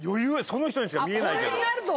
その人にしか見えないけど。